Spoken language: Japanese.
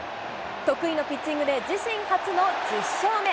得意のピッチングで自身初の１０勝目。